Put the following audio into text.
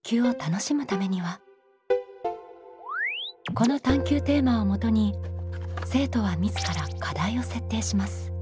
この探究テーマをもとに生徒は自ら課題を設定します。